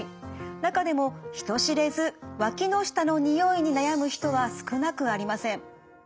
中でも人知れずわきの下のにおいに悩む人は少なくありません。